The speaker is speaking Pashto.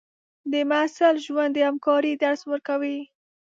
د محصل ژوند د همکارۍ درس ورکوي.